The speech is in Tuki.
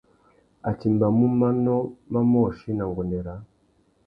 A timbamú manô mà môchï mà nguêndê râā.